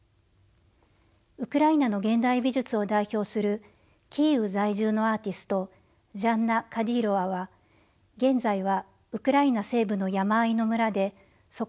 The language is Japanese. ウクライナの現代美術を代表するキーウ在住のアーティストジャンナ・カディロワは現在はウクライナ西部の山あいの村で疎開生活を送っています。